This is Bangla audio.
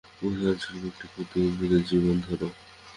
উদাহরণস্বরূপ একটি ক্ষুদ্র উদ্ভিদের জীবন ধর।